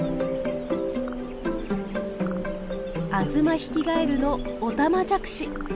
アズマヒキガエルのオタマジャクシ。